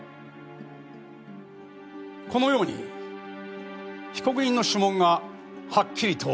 このように被告人の指紋がはっきりと確認出来ます。